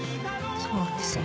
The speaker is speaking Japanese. そうなんですね。